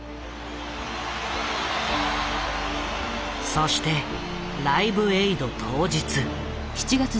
そして「ライブエイド」当日。